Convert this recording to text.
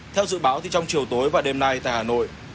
theo dự báo thì trong chiều tối và đêm nay tại hà nội